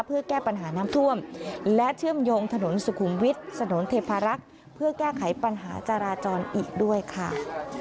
เพื่อแก้ปัญหาน้ำท่วมและเชื่อมโยงถนนสุขุมวิทย์ถนนเทพารักษ์เพื่อแก้ไขปัญหาจราจรอีกด้วยค่ะ